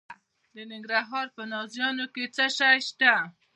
د ننګرهار په نازیانو کې څه شی شته؟